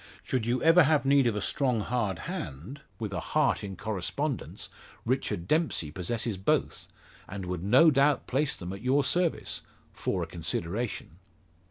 Should you ever have need of a strong hard hand, with a heart in correspondence, Richard Dempsey possesses both, and would no doubt place them at your service for a consideration."